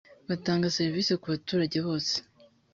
batange serivisi ku baturage bose